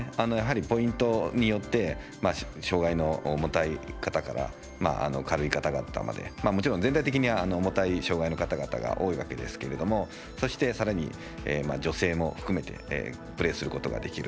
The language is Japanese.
ポイントによって障害の重たい方から軽い方々までもちろん全体的に重たい障害の方々が多いわけですけれどもそして、さらに女性も含めてプレーすることができる。